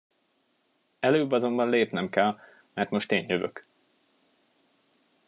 Előbb azonban lépnem kell, mert most én jövök.